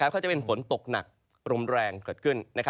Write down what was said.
ก็จะเป็นฝนตกหนักลมแรงเกิดขึ้น